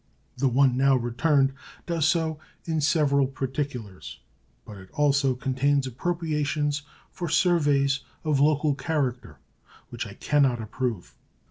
The one now returned does so in several particulars, but it also contains appropriations for surveys of local character, which I can not approve.